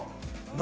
何？